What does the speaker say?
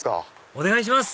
お願いします！